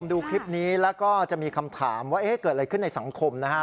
ดูคลิปนี้แล้วก็จะมีคำถามว่าเกิดอะไรขึ้นในสังคมนะฮะ